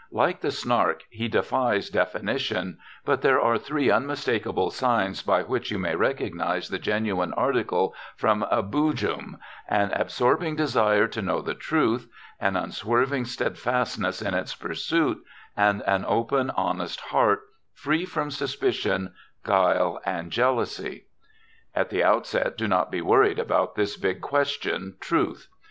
Like the Snark, he defies definition, but there are three unmistakable signs by which you may recognize the genuine article from a Boojum an absorbing desire to know the truth, an unswerving steadfastness in its pursuit, and an open, honest heart, free from suspicion, guile, and jealousy. At the outset do not be worried about this big question Truth.